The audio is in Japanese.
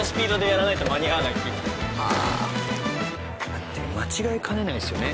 だって間違えかねないですよね。